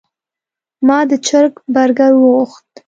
ما د چرګ برګر وغوښت.